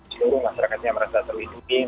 seluruh masyarakatnya merasa terlindung